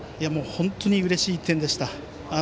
本当にうれしい１点でした。